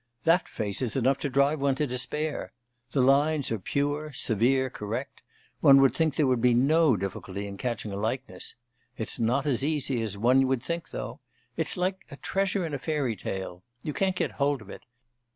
That face is enough to drive one to despair. The lines are pure, severe, correct; one would think there would be no difficulty in catching a likeness. It's not as easy as one would think though. It's like a treasure in a fairy tale you can't get hold of it.